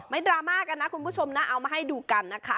ดราม่ากันนะคุณผู้ชมนะเอามาให้ดูกันนะคะ